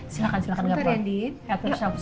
silahkan silahkan gak apa apa